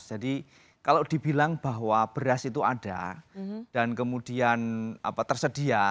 jadi kalau dibilang bahwa beras itu ada dan kemudian tersedia